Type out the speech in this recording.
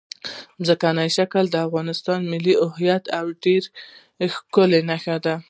ځمکنی شکل د افغانستان د ملي هویت یوه ډېره ښکاره نښه ده.